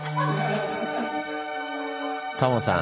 タモさん